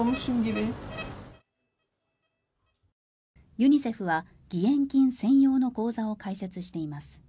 ユニセフは義援金専用の口座を開設しています。